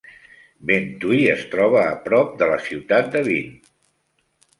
Ben Thuy es troba prop de la ciutat de Vinh.